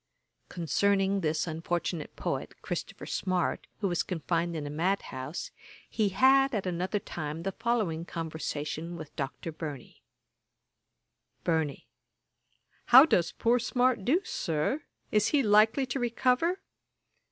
Concerning this unfortunate poet, Christopher Smart, who was confined in a mad house, he had, at another time, the following conversation with Dr. Burney: BURNEY. 'How does poor Smart do, Sir; is he likely to recover?'